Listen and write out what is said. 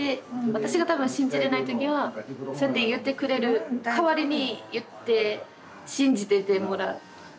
私が多分信じれない時はそうやって言ってくれる代わりに言って信じててもらう。